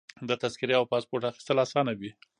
د تذکرې او پاسپورټ اخیستل اسانه وي.